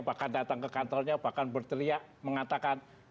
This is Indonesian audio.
bahkan datang ke kantornya bahkan berteriak mengatakan